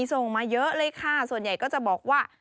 ส่งมาเยอะเลยค่ะส่วนใหญ่ก็จะบอกว่า